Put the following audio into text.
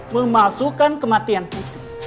memasukkan kematian putri